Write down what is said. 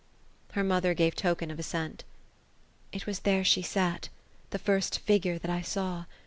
Her mother gave token of assent It was there she sat, — the first figure I saw.